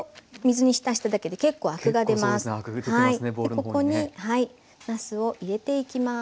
ここになすを入れていきます。